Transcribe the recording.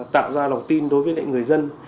tạo ra lòng tin đối với lại người dân